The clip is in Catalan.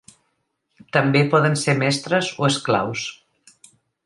També poden ser mestres o esclaus.